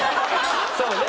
そうね。